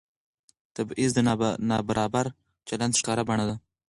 تبعیض د نابرابر چلند ښکاره بڼه ده